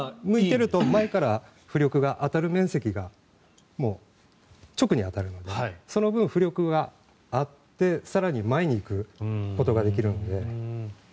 浮いていると前から浮力が当たる面積が直に当たるのでその分、浮力があって更に前に行くことができるので。